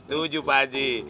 setuju pak aji